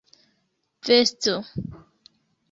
vesto